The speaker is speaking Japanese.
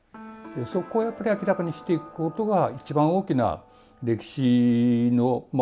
そこをやっぱり明らかにしていくことがいちばん大きな歴史のまあ